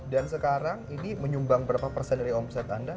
dan sekarang ini menyumbang berapa persen dari omset anda